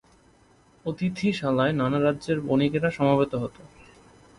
অতিথিশালায় নানা রাজ্যের বণিকেরা সমবেত হত।